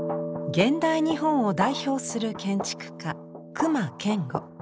現代日本を代表する建築家隈研吾。